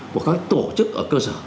của các tổ chức ở cơ sở